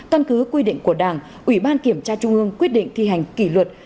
căn cứ quy định của đảng ủy ban kiểm tra trung ương quyết định thi hành kỷ luật